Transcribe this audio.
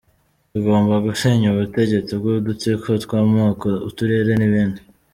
Tugomba gusenya ubutegetsi bw’udutsiko tw’amoko, uturere, n’ibindi.